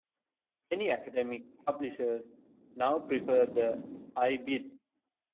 Many academic publishers now prefer that ibid.